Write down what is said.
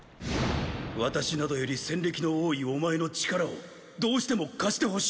私などより戦歴の多いお前の力をどうしても貸してほしい。